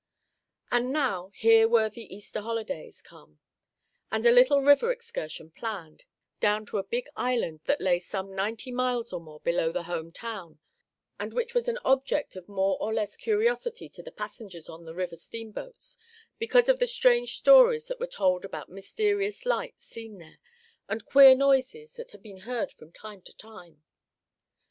And now, here were the Easter holidays come, and a little river excursion planned, down to a big island that lay some ninety miles or more below the home town, and which was an object of more or less curiosity to the passengers on the river steamboats, because of the strange stories that were told about mysterious lights seen there, and queer noises that had been heard from time to time.